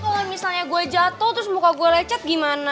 kalau misalnya gue jatuh terus muka gue lecet gimana